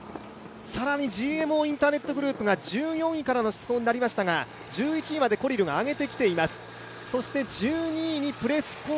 更にＧＭＯインターネットグループが１４位からの出走になりましたが１１位までコリルが上げてきています。